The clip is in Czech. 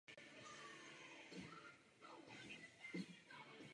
Obě inscenace měly značný ohlas u publika a získaly řadu profesních ocenění.